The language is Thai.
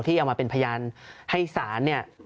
เอามาเป็นพยานให้ศาลเนี่ย